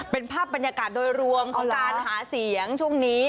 เป็นภาพบรรยากาศโดยรวมของการหาเสียงช่วงนี้